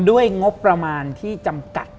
ด้วยงบประมาณที่จำกัด